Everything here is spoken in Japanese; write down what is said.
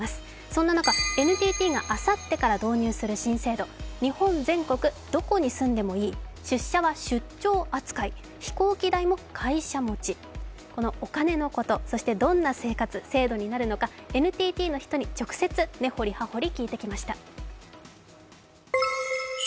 そんな中、ＮＴＴがあさってから導入する新制度、日本全国どこに住んでもいい、出社は出張扱い、飛行機代も会社持ち、このお金のこと、そしてどんな生活制度になるのか、ＮＴＴの人に直接、根掘り葉掘り聞いてきました。